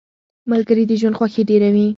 • ملګري د ژوند خوښي ډېروي.